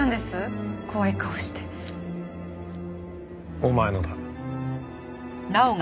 お前のだ。